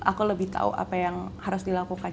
aku lebih tahu apa yang harus dilakukan